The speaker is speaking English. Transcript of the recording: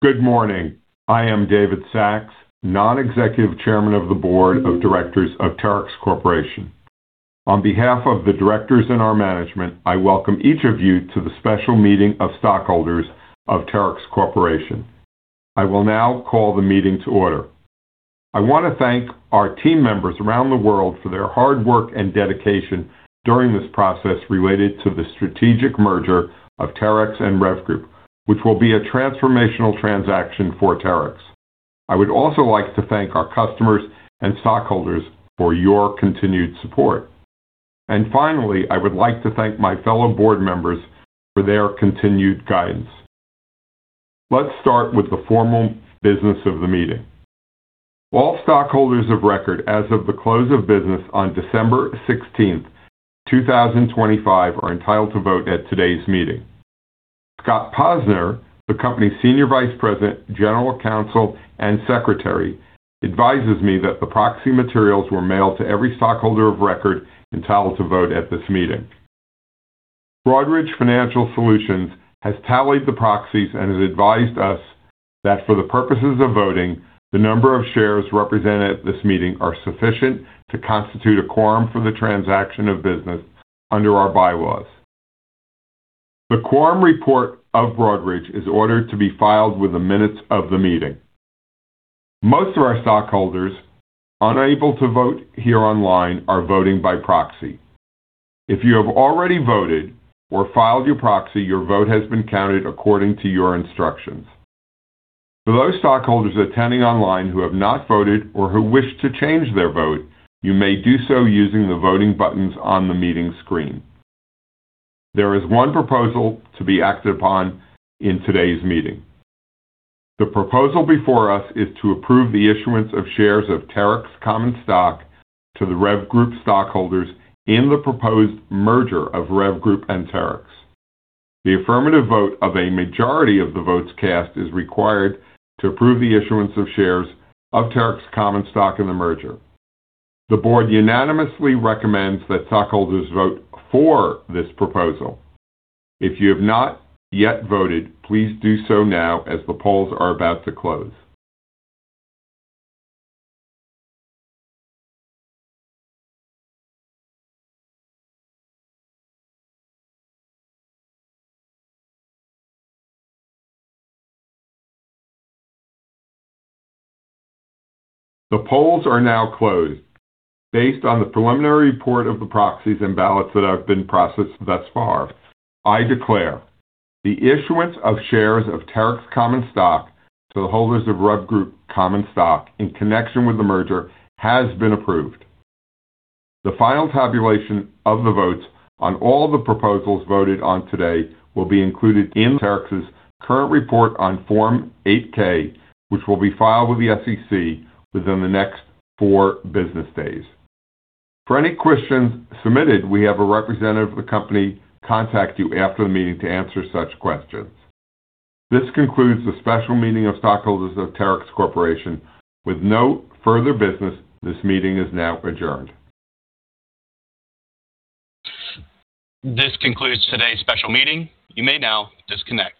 Good morning. I am David Sachs, Non-Executive Chairman of the Board of Directors of Terex Corporation. On behalf of the directors and our management, I welcome each of you to the Special Meeting of Stockholders of Terex Corporation. I will now call the meeting to order. I want to thank our team members around the world for their hard work and dedication during this process related to the strategic merger of Terex and REV Group, which will be a transformational transaction for Terex. I would also like to thank our customers and stockholders for your continued support. Finally, I would like to thank my fellow board members for their continued guidance. Let's start with the formal business of the meeting. All stockholders of record as of the close of business on December 16th, 2025, are entitled to vote at today's meeting. Scott Posner, the company's Senior Vice President, General Counsel, and Secretary, advises me that the proxy materials were mailed to every stockholder of record entitled to vote at this meeting. Broadridge Financial Solutions has tallied the proxies and has advised us that for the purposes of voting, the number of shares represented at this meeting are sufficient to constitute a quorum for the transaction of business under our bylaws. The quorum report of Broadridge is ordered to be filed with the minutes of the meeting. Most of our stockholders unable to vote here online are voting by proxy. If you have already voted or filed your proxy, your vote has been counted according to your instructions. For those stockholders attending online who have not voted or who wish to change their vote, you may do so using the voting buttons on the meeting screen. There is one proposal to be acted upon in today's meeting. The proposal before us is to approve the issuance of shares of Terex common stock to the REV Group stockholders in the proposed merger of REV Group and Terex. The affirmative vote of a majority of the votes cast is required to approve the issuance of shares of Terex common stock in the merger. The board unanimously recommends that stockholders vote for this proposal. If you have not yet voted, please do so now, as the polls are about to close. The polls are now closed. Based on the preliminary report of the proxies and ballots that have been processed thus far, I declare the issuance of shares of Terex common stock to the holders of REV Group common stock in connection with the merger has been approved. The final tabulation of the votes on all the proposals voted on today will be included in Terex's current report on Form 8-K, which will be filed with the SEC within the next four business days. For any questions submitted, we have a representative of the company contact you after the meeting to answer such questions. This concludes the Special Meeting of Stockholders of Terex Corporation. With no further business, this meeting is now adjourned. This concludes today's special meeting. You may now disconnect.